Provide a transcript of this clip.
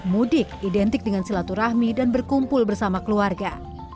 mudik identik dengan silaturahmi dan berkumpul bersama keluarga